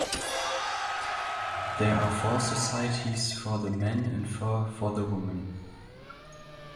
There are four societies for the men and four for the women.